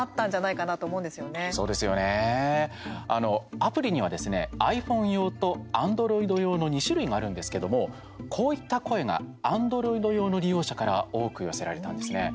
アプリにはですねｉＰｈｏｎｅ用とアンドロイド用の２種類があるんですけどもこういった声がアンドロイド用の利用者から多く寄せられたんですね。